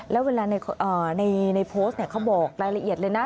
แล้วเวลาในโพสต์เขาบอกรายละเอียดเลยนะ